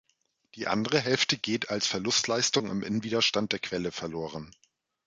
Die andere Hälfte geht als Verlustleistung im Innenwiderstand der Quelle verloren.